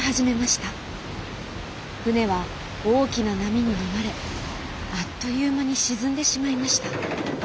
ふねはおおきななみにのまれあっというまにしずんでしまいました。